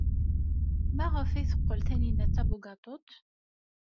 Maɣef ay teqqel Taninna d tabugaṭut?